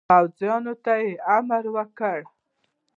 پوځیانو ته امر وکړ.